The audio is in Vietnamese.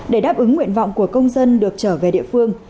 để đáp ứng nguyện vọng của công dân được trở về địa phương